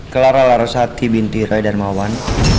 clara larosati binti roy darmawan